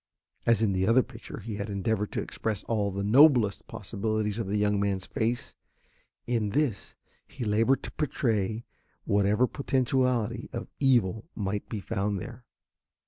As in the other picture he had endeavored to express all the noblest possibilities of the young man's face, in this he labored to portray whatever potentiality of evil might be found there.